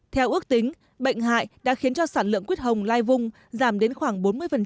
theo ước tính bệnh hại đã khiến cho sản lượng quyết hồng lai vung giảm đến khoảng bốn mươi